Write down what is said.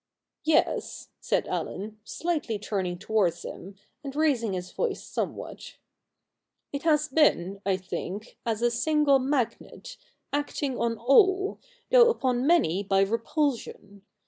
' Yes,' said Allen, slightly turning towards him, and raising his voice somewhat. ' It has been, I think, as a 24 THE NEW REPUBLIC [bk. i single magnet, acting on all, though upon many by repulsion.